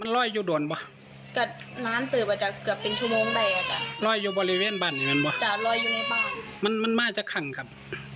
ระเบิดจะมีเพศแบบไม่ใหญ่ครับ